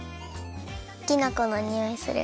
きな粉のにおいする。